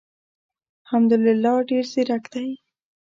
حمدالله ډېر زیرک دی.